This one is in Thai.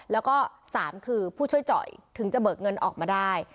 แล้วก็๓คือผู้ช่วยจ่อยถึงจะเบิกเงินออกมาได้